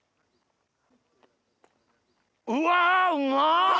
うわうまっ！